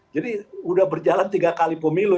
jadi sudah berjalan tiga kali pemilu